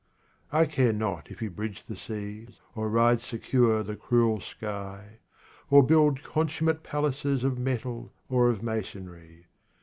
I care not if you bridge the seas, Or ride secure the cruel sky, Or build consummate palaces Of metal or of masonry.